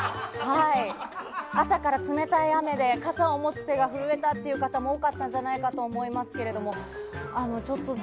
朝から冷たい雨で傘を持つ手が震えたという方も多かったんじゃないかと思いますけど。